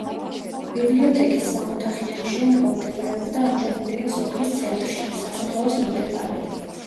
ბიბლიოთეკის სამოთახიანი შენობა მდებარეობდა ამჟამინდელი სოფლის ცენტრში, სასაფლაოს მიმდებარედ.